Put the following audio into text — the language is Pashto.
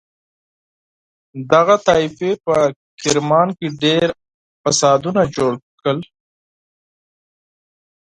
دغه طایفې په کرمان کې ډېر فسادونه جوړ کړل.